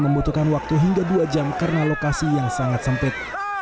membutuhkan waktu hingga dua jam karena lokasi yang sangat sempit